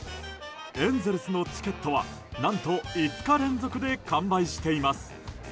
エンゼルスのチケットは何と５日連続で完売しています。